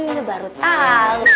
itu baru tahu